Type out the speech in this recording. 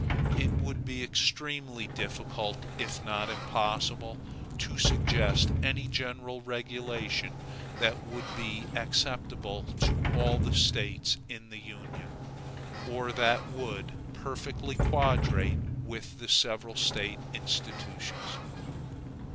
It would be extremely difficult, if not impossible, to suggest any general regulation that would be acceptable to all the States in the Union, or that would perfectly quadrate with the several State institutions.